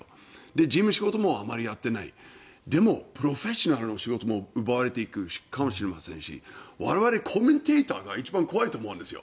事務の仕事もあまりやっていないでもプロフェッショナルの仕事も奪われていくかもしれませんし我々コメンテーターが一番怖いと思うんです。